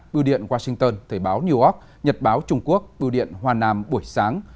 bưu điện washington thời báo new york nhật báo trung quốc bưu điện hòa nam buổi sáng